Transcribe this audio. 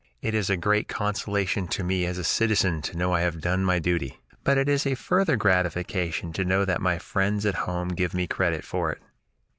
It is a great consolation to me as a citizen to know I have done my duty, but it is a further gratification to know that my friends at home give me credit for it."